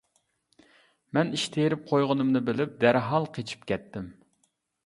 مەن ئىش تېرىپ قويغىنىمنى بىلىپ دەرھال قېچىپ كەتتىم.